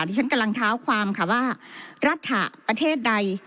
ที่ฉันกำลังเท้าความค่ะว่ารัฐประเทศใด